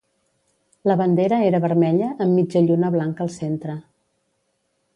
La bandera era vermella amb mitja lluna blanca al centre.